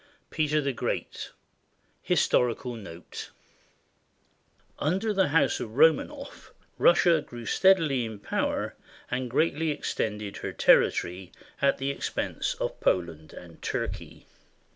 Ill PETER THE GREAT HISTORICAL NOTE Under the House of Romanoff, Russia grew steadily in power and greatly extended her territory at the expense of Poland and Turkey.